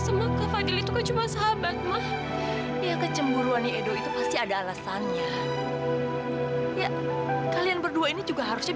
sampai jumpa di video selanjutnya